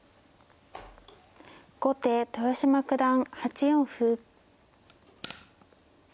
後手豊島九段８四歩。